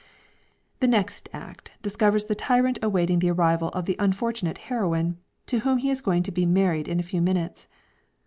The next act discovers the tyrant awaiting the arrival of the unfortunate heroine, to whom he is going to be married in a few minutes.